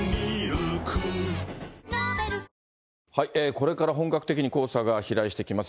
これから本格的に黄砂が飛来してきます。